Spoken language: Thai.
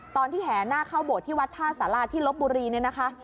ตอนที่แห่นาคเข้าโบดที่วัดท่าศาลาชที่ลบบุรีเนี่ยนะคะ